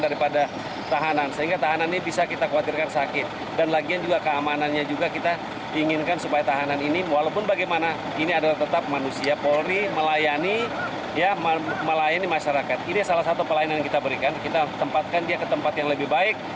ini salah satu pelayanan yang kita berikan kita tempatkan dia ke tempat yang lebih baik dan lebih aman dan lebih bersih